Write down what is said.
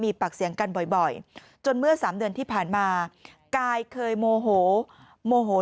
มีปากเสียงกันบ่อยจนเมื่อสามเดือนที่ผ่านมากายเคยโมโหโมโห